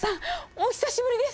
お久しぶりです！